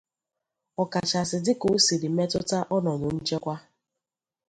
ọkachasị dịka o siri metụta ọnọdụ nchekwa